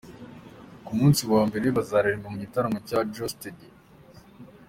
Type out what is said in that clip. Ku munsi wa mbere bazaririmba mu gitaramo cya Geosteady.